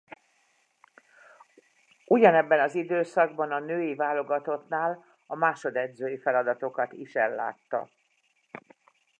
Ugyanebben az időszakban a női válogatottnál a másodedzői feladatokat is ellátta.